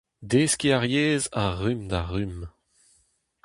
Deskiñ ar yezh a-rumm-da-rumm.